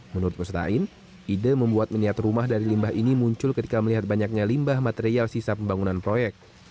menurut mustain ide membuat miniat rumah dari limbah ini muncul ketika melihat banyaknya limbah material sisa pembangunan proyek